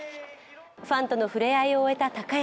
ファンとの触れ合いを終えた高安。